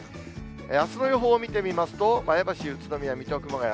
あすの予報見てみますと、前橋、宇都宮、水戸、熊谷。